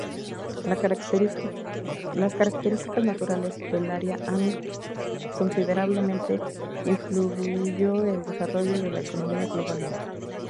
Las características naturales del área han considerablemente influyó el desarrollo de la economía globalmente.